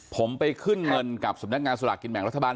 ผมไปขึ้นเงินกับสำนักงานสลากกินแบ่งรัฐบาล